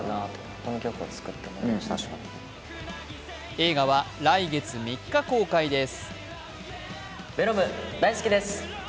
映画は来月３日公開です。